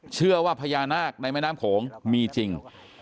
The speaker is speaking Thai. เชื่อว่าพญานาคในแม่น้ำโขงมีจริง